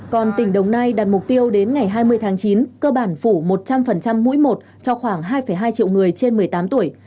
còn tỉnh đồng nai đặt mục tiêu đến ngày hai mươi tháng chín cơ bản phủ một trăm linh mũi một cho khoảng hai hai triệu người trên một mươi tám tuổi